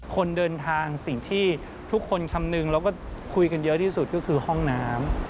คนเดินทางสิ่งที่ทุกคนคำนึงแล้วก็คุยกันเยอะที่สุดก็คือห้องน้ำ